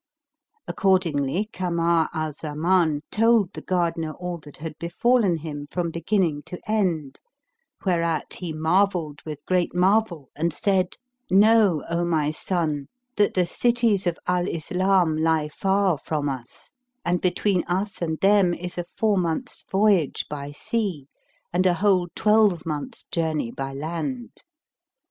Accordingly Kamar al Zaman told the gardener all that had befallen him from beginning to end, whereat he marvelled with great marvel and said, "Know, O my son, that the cities of Al Islam lie far from us; and between us and them is a four months' voyage by sea and a whole twelve months' journey by land.